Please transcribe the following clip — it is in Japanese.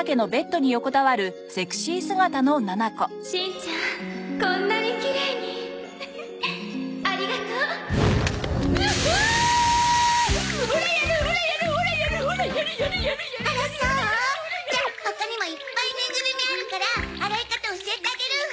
じゃ他にもいっぱいぬいぐるみあるから洗い方教えてあげるわ。